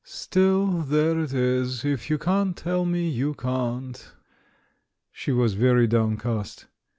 Still, there it is, if you can't tell me, you can't I" She was very down cast.